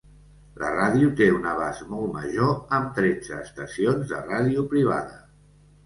La ràdio té un abast molt major, amb tretze estacions de ràdio privada.